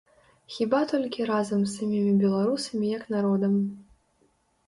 Хіба толькі разам з самімі беларусамі як народам.